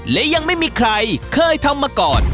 และยังไม่มีใครเคยทำมาก่อน